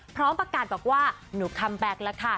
พร้อมประกาศบอกว่าหนูคัมแบ็คแล้วค่ะ